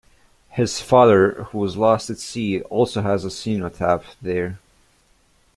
His father, who was lost at sea, also has a cenotaph there.